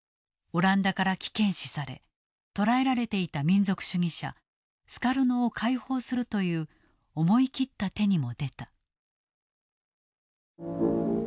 オランダから危険視され捕らえられていた民族主義者スカルノを解放するという思い切った手にも出た。